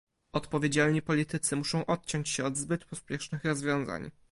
Odpowiedzialni politycy muszą odciąć się od zbyt pospiesznych rozwiązań